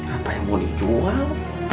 apa yang mau dijual